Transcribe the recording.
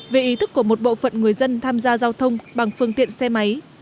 về ý thức của một bộ phận người dân tham gia giao thông bằng phương tiện xe máy